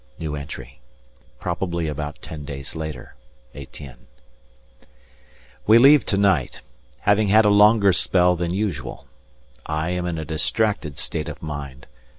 [Probably about ten days later. Etienne.] We leave to night, having had a longer spell than usual. I am in a distracted state of mind.